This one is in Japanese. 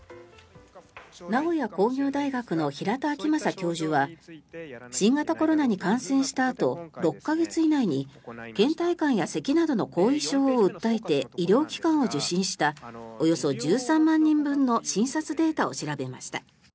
名古屋工業大学の平田晃正教授は新型コロナに感染したあと６か月以内にけん怠感やせきなどの後遺症を訴えて医療機関を受診したおよそ１３万人分の診察データを調べました。